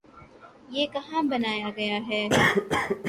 یہ کہاں بنایا گیا ہے؟